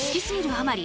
あまり